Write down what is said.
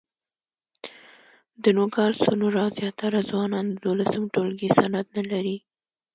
د نوګالس سونورا زیاتره ځوانان د دولسم ټولګي سند نه لري.